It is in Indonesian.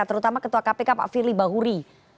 terutama ketua kpk pak firly bahuri